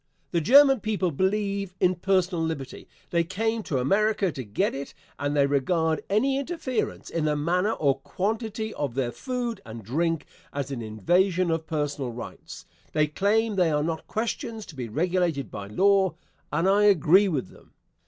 The German people believe in personal liberty. They came to America to get it, and they regard any interference in the manner or quantity of their food and drink as an invasion of personal rights. They claim they are not questions to be regulated by law, and I agree with them.